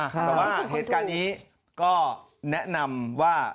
แต่ว่าเหตุการณ์นี้ก็แนะนำว่า